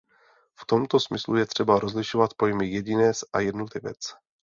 V tomto smyslu je třeba rozlišovat pojmy jedinec a jednotlivec.